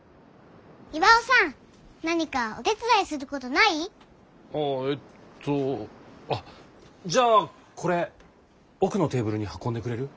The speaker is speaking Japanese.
巌さん何かお手伝いすることない？ああえっとあっじゃあこれ奥のテーブルに運んでくれる？